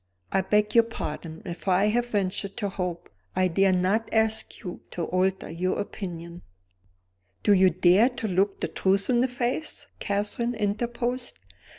"I beg your pardon, if I have ventured to hope. I dare not ask you to alter your opinion " "Do you dare to look the truth in the face?" Catherine interposed.